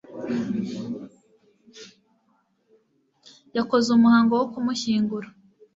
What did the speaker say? yakoze umuhango wo kumushyingura